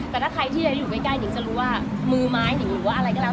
แต่ถ้าใครที่จะอยู่ใกล้นิ่งจะรู้ว่ามือไม้นิงหรือว่าอะไรก็แล้ว